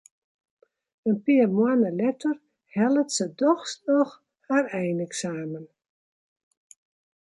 In pear moanne letter hellet se dochs noch har eineksamen.